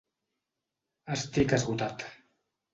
Estic esgotat.